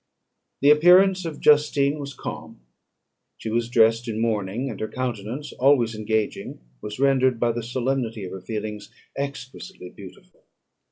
The appearance of Justine was calm. She was dressed in mourning; and her countenance, always engaging, was rendered, by the solemnity of her feelings, exquisitely beautiful.